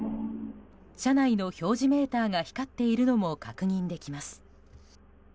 車内の表示メーターが光っているのも確認できます。